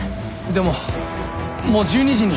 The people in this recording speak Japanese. でももう１２時に。